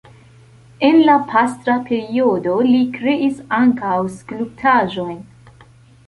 En la pastra periodo li kreis ankaŭ skulptaĵojn.